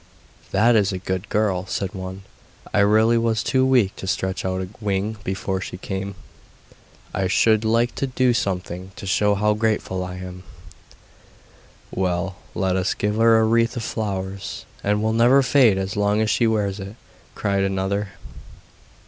'That is a good girl,' said one; 'I really was too weak to stretch out a wing before she came. I should like to do something to show how grateful I am.' 'Well, let us give her a wreath of flowers that will never fade as long as she wears it,' cried another.